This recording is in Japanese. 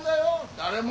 誰も。